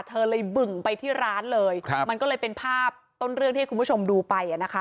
เธอเลยบึ่งไปที่ร้านเลยครับมันก็เลยเป็นภาพต้นเรื่องที่ให้คุณผู้ชมดูไปอ่ะนะคะ